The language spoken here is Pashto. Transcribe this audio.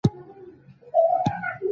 ما زکندن ستا تر قدم پوري را ورساوه